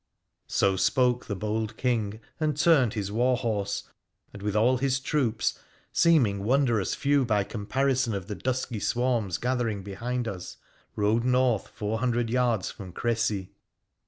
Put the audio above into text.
' So spoke the bold King, and turned his war horse, and, with all his troops — seeming wondrous few by comparison of the dusky swarms gathering behind us — rode north four hundreds yards from Crecy.